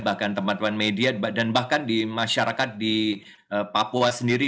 bahkan teman teman media dan bahkan di masyarakat di papua sendiri